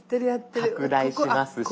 拡大しますし。